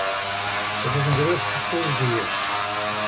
It is in grut sûchdier.